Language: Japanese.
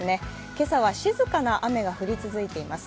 今朝は、静かな雨が降り続いています。